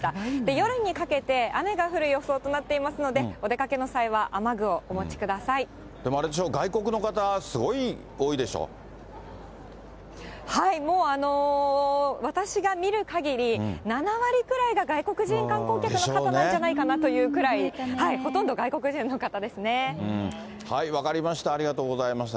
夜にかけて、雨が降る予想となっていますので、お出かけの際は雨でもあれでしょ、外国の方、もう、私が見るかぎり、７割くらいが外国人観光客の方なんじゃないかなというくらい、ほ分かりました、ありがとうございました。